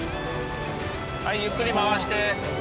はいゆっくり回して。